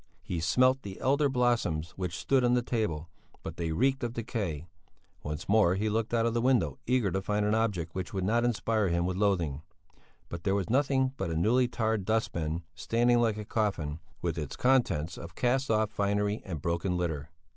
He smelt the elder blossoms which stood on the table, but they reeked of decay; once more he looked out of the window eager to find an object which would not inspire him with loathing; but there was nothing but a newly tarred dust bin standing like a coffin with its contents of cast off finery and broken litter.